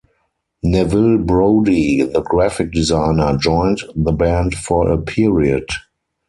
Neville Brody, the graphic designer, joined the band for a period.